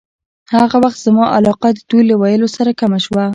هغه وخت زما علاقه د دوی له ویلو سره کمه شوه.